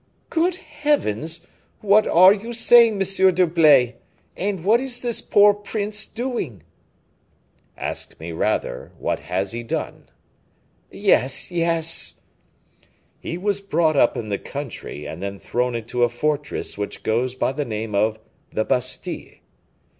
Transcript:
"Good heavens! What are you saying, Monsieur d'Herblay? And what is this poor prince doing?" "Ask me, rather, what has he done." "Yes, yes." "He was brought up in the country, and then thrown into a fortress which goes by the name of the Bastile."